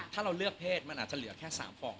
ถ้าเราเลือกเพศมันอาจจะเหลือแค่๓ฟอง